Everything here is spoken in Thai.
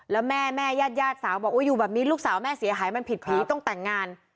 แล้วแม่แม่ญาติญาติสาวบอกอยู่แบบนี้ลูกสาวแม่เสียหายมันผิดผีต้องแต่งงาน